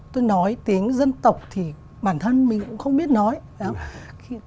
nhưng mà nói tiếng dân tộc thì bản thân mình cũng không biết nói đúng không ạ